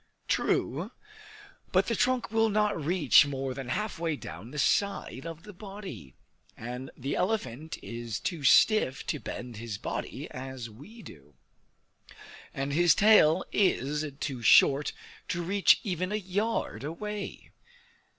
True, but the trunk will not reach more than halfway down the side of the body; and the elephant is too stiff to bend his body as we do; and his tail is too short to reach even a yard each way.